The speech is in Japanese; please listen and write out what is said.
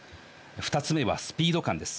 ２つ目はスピード感です。